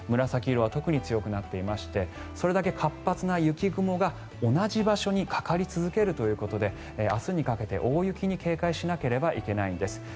紫色は特に強くなっていましてそれだけ活発な雪雲が同じ場所にかかり続けるということで明日にかけて大雪に警戒しなければいけないんです。